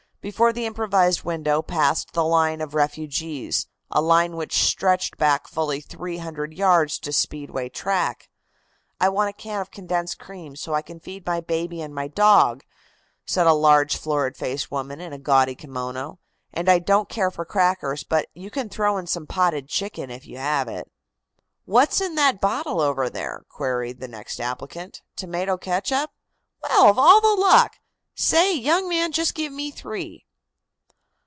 Before the improvised window passed the line of refugees, a line which stretched back fully 300 yards to Speedway track. "I want a can of condensed cream, so I can feed my baby and my dog," said a large, florid faced woman in a gaudy kimono, "and I don't care for crackers, but you can throw in some potted chicken if you have it." "What's in that bottle over there?" queried the next applicant. "Tomato ketchup? Well, of all the luck! Say, young man, just give me three."